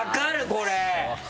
これ。